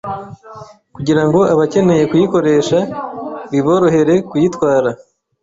kugirango abakeneye kuyikoresha biborohere kuyitwara